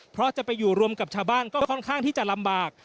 เพราะจะไปอยู่รวมกับชาวบ้านก็ค่อนข้างที่จะลำบาก